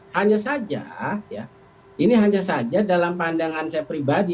hanya saja ini hanya saja dalam pandangan saya pribadi